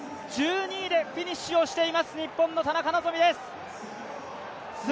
１２位でフィニッシュをしています日本の田中希実です。